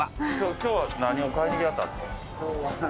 今日は何を買いに来はったんですか？